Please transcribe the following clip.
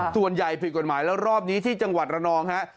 ส่วนใหญ่ผิดกฎหมายแล้วรอบนี้ที่จังหวัดระนองฮะ